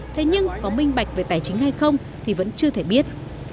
thế nhưng có minh bạch về tài chính hay không thì vẫn chưa thể biết